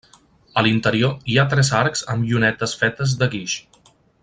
A l'interior hi ha tres arcs amb llunetes fetes de guix.